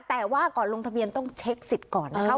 แต่ว่าก่อนลงทะเบียนต้องเช็คสิทธิ์ก่อนนะคะ